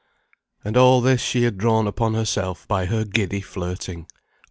And all this she had drawn upon herself by her giddy flirting.